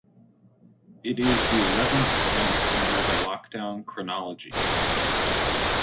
It is the eleventh event under the Lockdown chronology.